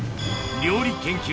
料理研究